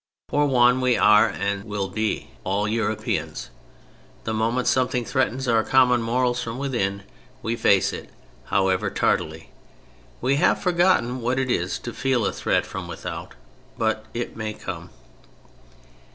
For one we are and will be, all Europeans. The moment something threatens our common morals from within, we face it, however tardily. We have forgotten what it is to feel a threat from without: but it may come.